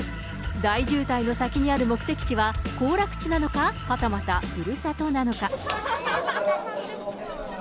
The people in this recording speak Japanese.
大渋滞の先にある目的地は、行楽地なのか、はたまたふるさとなのか。